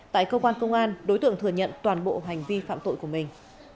tại cơ quan công an đối tượng thừa nhận toàn bộ hành vi phạm tội của mình